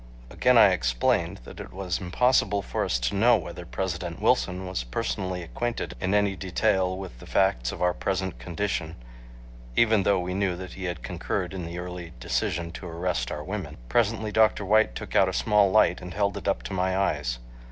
Again I explained that it was impossible for us to know whether President Wilson was personally acquainted in any detail with the facts of our present condition, even though we knew that he had concurred in the early decision to arrest our women. Presently Dr. White took out a small light and held it up to my eyes.